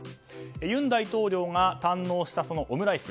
尹大統領が堪能したオムライス。